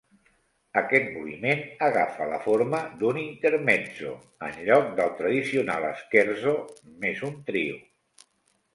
Aquest moviment agafa la forma d'un intermezzo, en lloc del tradicional scherzo més un trio.